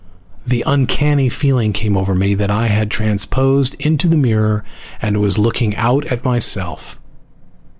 The uncanny feeling came over me that I had transposed into the mirror and was looking out at myself.